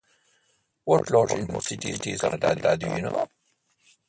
What large important cities of Canada do you know ?